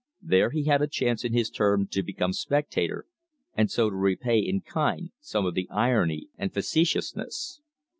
There he had a chance in his turn to become spectator, and so to repay in kind some of the irony and facetiousness.